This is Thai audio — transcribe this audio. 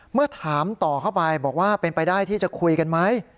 เมื่อถามต่อเข้าไปบอกว่าเป็นไปได้ที่จะคุยกันไหม